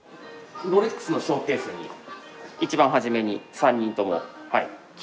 ロレックスのショーケースに一番初めに３人とも来ました。